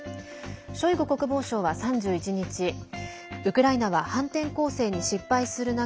ショイグ国防相は３１日ウクライナは反転攻勢に失敗する中